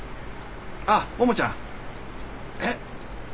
あっ桃ちゃん。えっ？